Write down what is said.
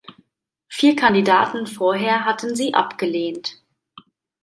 Vier Kandidaten vorher hatten sie abgelehnt.